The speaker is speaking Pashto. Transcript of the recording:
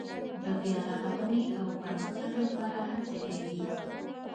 د بیا رغاونې او پرمختګ لپاره هڅې کوي.